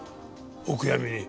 お悔やみに。